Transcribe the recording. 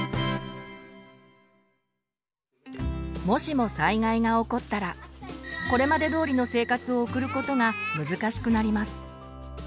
もしも災害が起こったらこれまでどおりの生活を送ることが難しくなります。